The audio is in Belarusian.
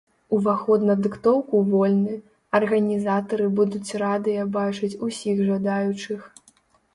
Уваход на дыктоўку вольны, арганізатары будуць радыя бачыць усіх жадаючых.